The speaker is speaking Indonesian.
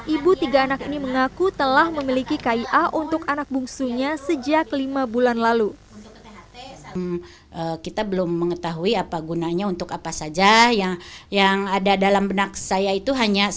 ibu tiga anak ini mengaku telah memiliki kia untuk anak bungsunya sejak lima bulan lalu